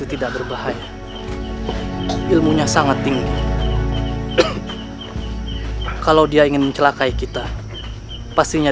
tak curi tangkap dia